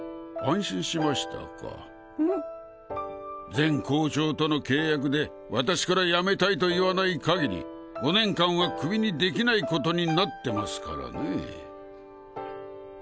前校長との契約で私から辞めたいと言わない限り５年間はクビにできないことになってますからねぇ。